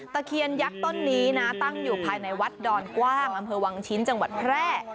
เคียนยักษ์ต้นนี้นะตั้งอยู่ภายในวัดดอนกว้างอำเภอวังชิ้นจังหวัดแพร่